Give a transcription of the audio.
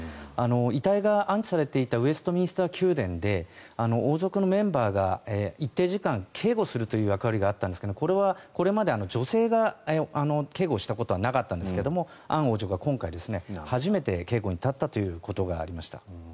遺体が安置されていたウェストミンスター宮殿で王族のメンバーが一定時間警護するという役割があったんですがこれはこれまで女性が警護したことはなかったんですけどアン王女が今回、初めて警護に立ったということがありました。